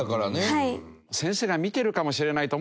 はい。